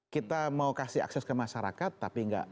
kita mau kasih akses ke masyarakat tapi enggak